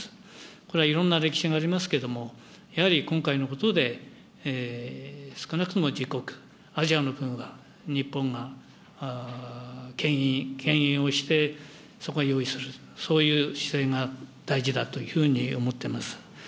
これはいろんな歴史がありますけれども、やはり今回のことで、少なくとも自国、アジアの分は日本がけん引をして、そこを用意すると、そういう姿勢が大事だというふうに思っています。